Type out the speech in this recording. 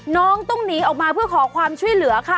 น้องต้องหนีออกมาเพื่อขอความช่วยเหลือค่ะ